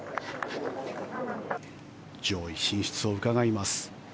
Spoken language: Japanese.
上位進出をうかがいます。